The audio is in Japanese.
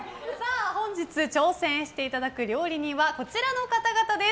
本日挑戦していただく料理人はこちらの方々です。